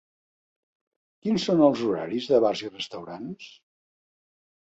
Quins són els horaris de bars i restaurants?